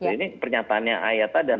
ini pernyataannya ayata dan